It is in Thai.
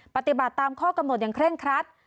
ปฏิบัติตามข้อกำหนดอย่างเคร่งครัด